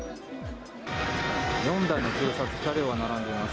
４台の警察車両が並んでいます。